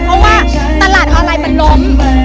เพราะว่าตลาดออนไลน์มันล้ม